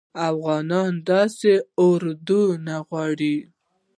افغانان داسي اردوه نه غواړي